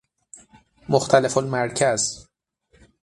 مختلف المرکز